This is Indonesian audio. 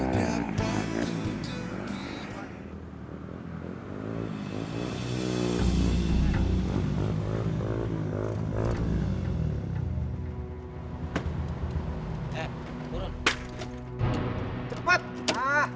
kayaknya ada yang butuh tip kita mas